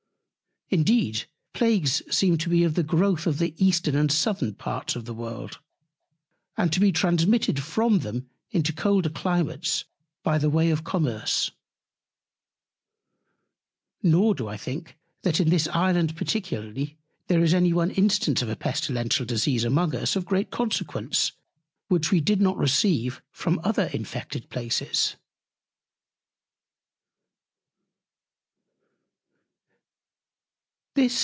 Indeed Plagues seem to be of the Growth of the Eastern and Southern Parts of the World, and to be transmitted from them into colder Climates by the Way of Commerce. Nor do I think, that in this Island particularly there is any one Instance of a Pestilential Disease among us of great Consequence; which we did not receive from other infected Places.